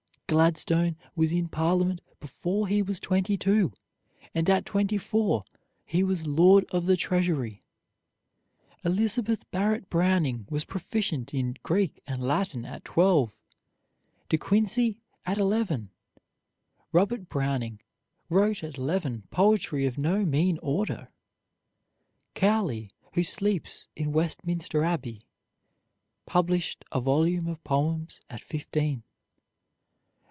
Gladstone was in Parliament before he was twenty two, and at twenty four he was Lord of the Treasury. Elizabeth Barrett Browning was proficient in Greek and Latin at twelve; De Quincey at eleven. Robert Browning wrote at eleven poetry of no mean order. Cowley, who sleeps in Westminster Abbey, published a volume of poems at fifteen.